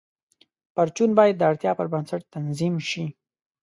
پرچون باید د اړتیا پر بنسټ تنظیم شي.